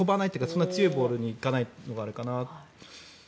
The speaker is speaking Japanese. そんなに強いボールが行かないのがあれかな。